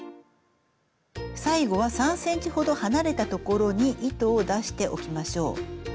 最後は３ｃｍほど離れた所に糸を出しておきましょう。